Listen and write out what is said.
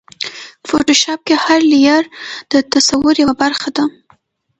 فوټوشاپ کې هر لېیر د تصور یوه برخه ده.